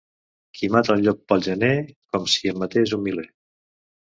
Qui mata un llop pel gener, com si en matés un miler.